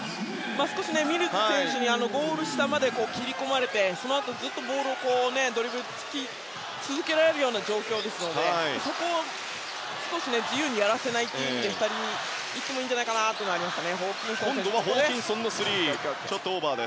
少しミルズ選手にゴール下まで切り込まれて、そのあとボールをドリブルされ続ける形ですのでそこを少し自由にやらせないという意味で２人がいってもいいんじゃないかなと思います。